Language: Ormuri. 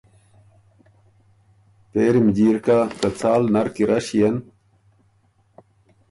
پېری م جیر کَه که څال نر کی رݭيېن